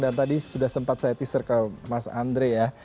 dan tadi sudah sempat saya teaser ke mas andre ya